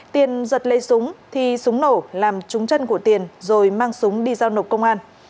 tiền giật lấy súng thì súng nổ làm trúng chân của tiền rồi mang súng đi giao nộp công an